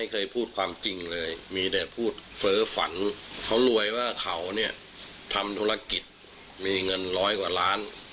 คิดว่าเขาเนี้ยทำธุรกิจมีเงินร้อยกว่าน้ำ